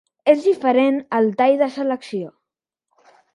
És diferent al tall de selecció.